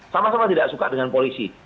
sama sama tidak suka dengan polisi